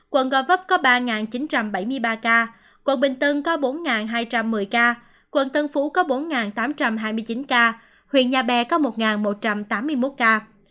quận gò vấp có ba chín trăm bảy mươi ba ca quận bình tân có bốn hai trăm một mươi ca quận tân phú có bốn tám trăm hai mươi chín ca huyện nhà bè có một một trăm tám mươi một ca